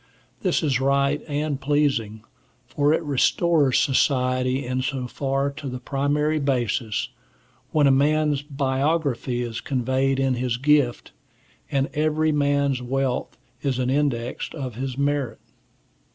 This is right and pleasing, for it restores society in so far to the primary basis, when a man's biography is conveyed in his gift, and every man's wealth is an index of his merit.